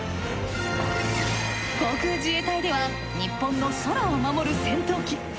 航空自衛隊では日本の空を守る戦闘機。